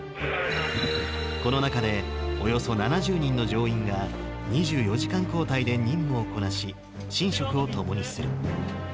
この中でおよそ７０人の乗員が２４時間交代で任務をこなし、寝食を共にする。